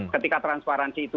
ketika transparansi itu